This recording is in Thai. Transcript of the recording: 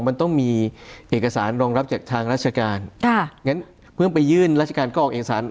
มันต้องมีเอกสารรองรับจากทางราชการค่ะงั้นเพิ่งไปยื่นราชการก็ออกเอกสาร